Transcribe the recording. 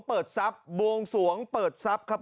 เปิดทรัพย์บวงสวงเปิดทรัพย์ครับ